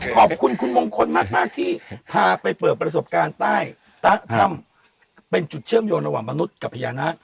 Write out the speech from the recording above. ขอบคุณคุณมงคลมากที่พาไปเปิดประสบการณ์ใต้ถ้ำเป็นจุดเชื่อมโยงระหว่างมนุษย์กับพญานาค